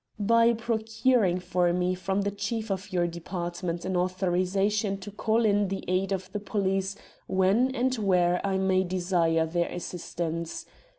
"By procuring for me from the chief of your department an authorization to call in the aid of the police when and where I may desire their assistance.